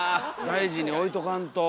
大事に置いとかんと。